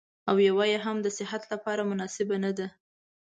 او يوه يې هم د صحت لپاره مناسبه نه ده.